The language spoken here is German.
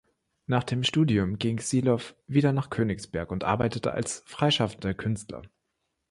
Nach dem Studium ging Sieloff wieder nach Königsberg und arbeitete als freischaffender Künstler.